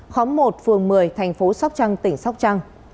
khóm một phường một mươi thành phố sóc trăng tỉnh sóc trăng